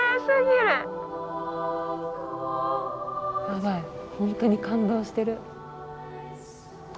やばい本当に感動してる。